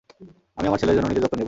আমি আমার ছেলের জন্য নিজের যত্ন নেব।